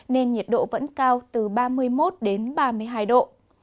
nên nhiệt độ vẫn cao từ ba mươi một đến ba mươi hai độ